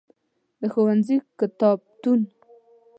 د ښوونځی کتابتون.